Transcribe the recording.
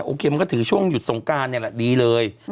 โอเคมันก็ถือช่วงหยุดสงการเนี่ยแหละดีเลย